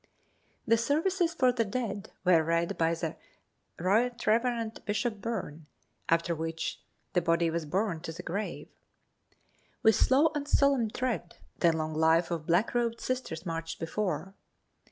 The services for the dead were read by the Rt. Rev. Bishop Byrne, after which the body was borne to the grave. With slow and solemn tread the long file of black robed Sisters marched before.